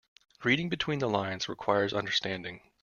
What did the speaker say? Reading between the lines requires understanding.